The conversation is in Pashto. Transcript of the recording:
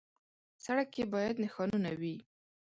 سړک کې باید نښانونه وي.